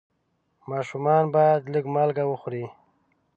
ماشومان باید لږ مالګه وخوري.